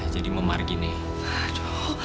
jadi memargin nih